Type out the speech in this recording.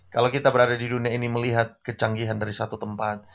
kalau kita berada di dunia ini melihat kecanggihan dari satu tempat